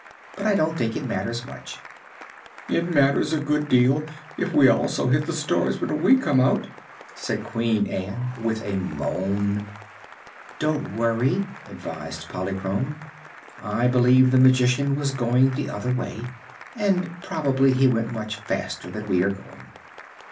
"But I don't think it matters much." "It matters a good deal, if we also hit the stars when we come out," said Queen Ann, with a moan. "Don't worry," advised Polychrome. "I believe the Magician was going the other way, and probably he went much faster than we are going."